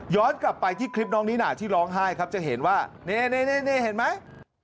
กลับไปที่คลิปน้องนิน่าที่ร้องไห้ครับจะเห็นว่านี่เห็นไหม